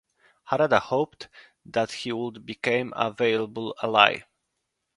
Harada hoped that he would become a valuable ally.